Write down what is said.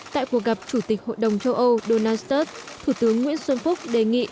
tại cuộc gặp chủ tịch hội đồng châu âu donald sturt thủ tướng nguyễn xuân phúc đề nghị